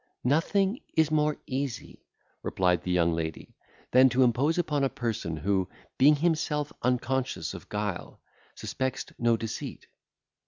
"Nothing is more easy," replied the young lady, "than to impose upon a person, who, being himself unconscious of guile, suspects no deceit.